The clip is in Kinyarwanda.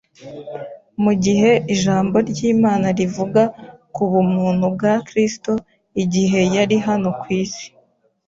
Mu gihe Ijambo ry’Imana rivuga ku bumuntu bwa Kristo igihe yari hano ku isi,